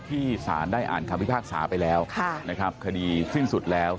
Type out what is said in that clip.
ที่ศาลได้อ่านความพิพากษาไปแล้วคดีขึ้นสุดแล้ว